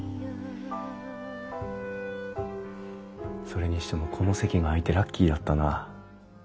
それにしてもこの席が空いてラッキーだったな。